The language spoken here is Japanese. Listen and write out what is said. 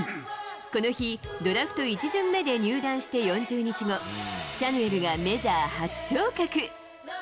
この日、ドラフト１巡目で入団して４０日後、シャヌエルがメジャー初昇格。